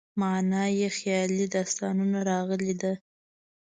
معنا یې خیالي داستانونه راغلې ده.